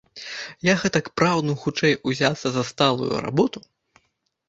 Я гэтак прагну хутчэй узяцца за сталую работу.